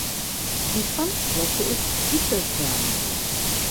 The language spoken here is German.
Die Schwanzflosse ist sichelförmig.